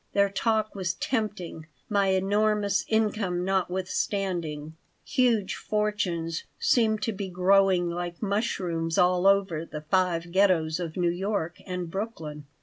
Their talk was tempting. my enormous income notwithstanding. Huge fortunes seemed to be growing like mushrooms all over the five Ghettos of New York and Brooklyn.